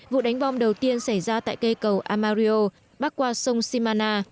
vụ đánh bom đầu tiên xảy ra tại cây cầu amarillo bắc qua sông simana